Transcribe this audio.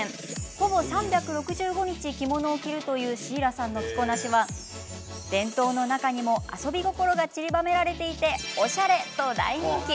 ほぼ３６５日、着物を着るというシーラさんの着こなしは伝統の中にも遊び心がちりばめられていておしゃれと大人気。